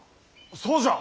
そうじゃ！